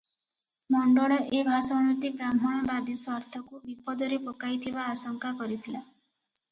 ମଣ୍ଡଳ ଏ ଭାଷଣଟି ବ୍ରାହ୍ମଣବାଦୀ ସ୍ୱାର୍ଥକୁ ବିପଦରେ ପକାଇଥିବା ଆଶଙ୍କା କରିଥିଲା ।